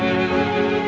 ya udah mbak